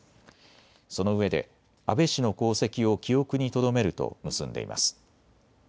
そのうえで安倍氏の功績を記憶にとどめると結んでいます。